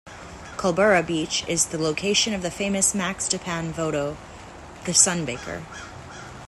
Culburra Beach is the location of the famous Max Dupain photo "The Sunbaker".